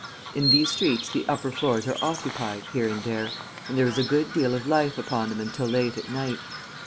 In these streets the upper floors are occupied, here and there, and there is a good deal of life upon them until late at night.